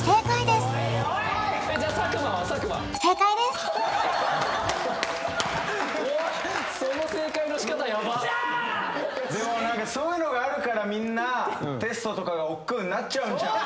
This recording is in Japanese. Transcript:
でも何かそういうのがあるからみんなテストとかがおっくうになっちゃうんじゃん！